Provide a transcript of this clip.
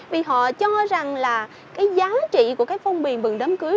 vì họ cho rằng là cái giá trị của cái phong bì bừng đám cưới